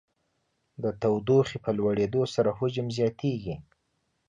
د تودوخې په لوړېدو سره حجم زیاتیږي.